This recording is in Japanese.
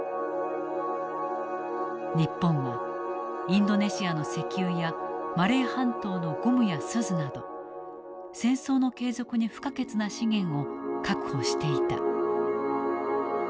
日本はインドネシアの石油やマレー半島のゴムや錫など戦争の継続に不可欠な資源を確保していた。